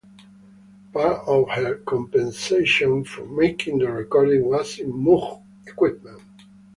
Part of her compensation for making the recording was in Moog equipment.